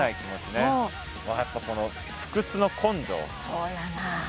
そうやな。